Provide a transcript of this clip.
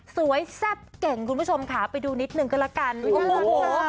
สวยแซ่บเก่งคุณผู้ชมค่ะไปดูนิดหนึ่งกันแล้วกันโอ้โห